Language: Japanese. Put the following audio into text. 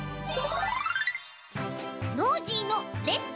「ノージーのレッツ！